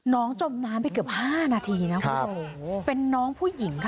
น้องจมน้ำไปเกือบห้านาทีนะครับโอ้โหเป็นน้องผู้หญิงค่ะ